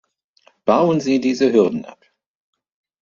Bauen Sie diese Hürden ab!